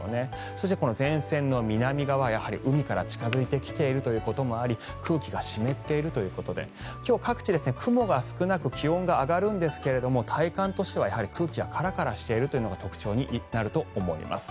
そしてこの前線の南側やはり海から近付いてきているということもあり空気が湿っているということで今日、各地、雲が少なく気温が上がるんですが体感としては空気がカラカラしているのが特徴になると思います。